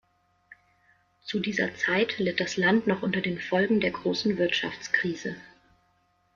Zu dieser Zeit litt das Land noch unter den Folgen der großen Wirtschaftskrise.